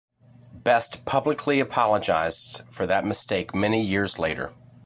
Best publicly apologized for that mistake many years later.